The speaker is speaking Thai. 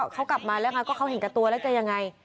เขากลับมาแล้วไงก็เขาเห็นกับตัวแล้วจะยังไง